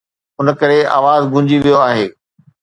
ان ڪري آواز گونجي ويو آهي.